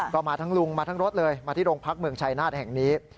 ก็มาทั้งลุงมาทั้งรถเลยมาที่โรงพักเมืองชายนาฏแห่งนี้